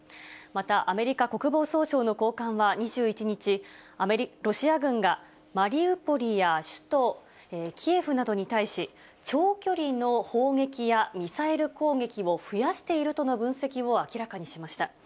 また、アメリカ国防総省の高官は２１日、ロシア軍がマリウポリや首都キエフなどに対し、長距離の砲撃やミサイル攻撃を増やしているとの分析を明らかにしました。